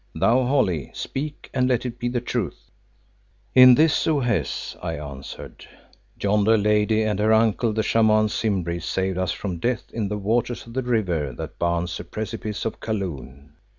Thou, Holly, speak, and let it be the truth." "It is this, O Hes," I answered. "Yonder lady and her uncle the Shaman Simbri saved us from death in the waters of the river that bounds the precipices of Kaloon.